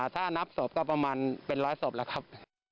ถ้านับศพก็ประมาณเป็นร้อยศพแล้วครับ